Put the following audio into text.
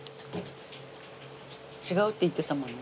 違うって言ってたもんね。